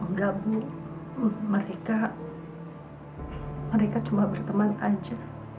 enggak bu mereka cuma berteman aja